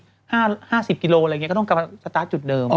๕๐กิโลอะไรอย่างนี้ก็ต้องกลับมาสตาร์ทจุดเดิม